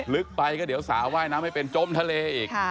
ลึกไปก็เดี๋ยวสาวว่ายน้ำไม่เป็นจมทะเลอีก